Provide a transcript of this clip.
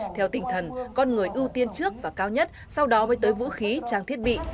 theo tỉnh thần con người ưu tiên trước và cao nhất sau đó mới tới vũ khí trang thiết bị